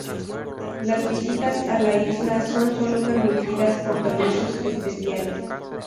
Las visitas a la isla son sólo permitidas con permisos especiales.